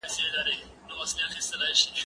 مېوې د زهشوم له خوا خورل کيږي